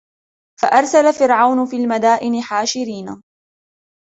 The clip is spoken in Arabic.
فَأَرْسَلَ فِرْعَوْنُ فِي الْمَدَائِنِ حَاشِرِينَ